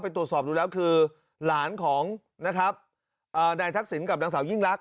ตรวจสอบดูแล้วคือหลานของนะครับนายทักษิณกับนางสาวยิ่งลักษ